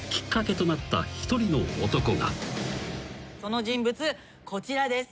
その人物こちらです。